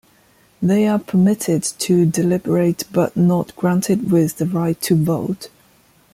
They are permitted to deliberate but not granted with the right to vote.